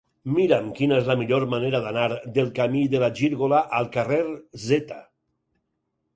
Mira'm quina és la millor manera d'anar del camí de la Gírgola al carrer Z.